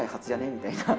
みたいな。